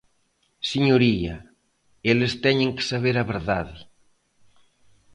Señoría, eles teñen que saber a verdade.